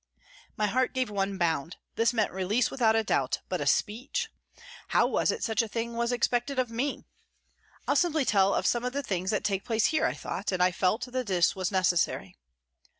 My heart gave one bound. This meant release without a doubt, but a speech ! How was it such a thing was expected of me ?" I'll simply tell some of the things that o 2 196 PRISONS AND PRISONERS take place here," I thought, and I felt that this was necessary.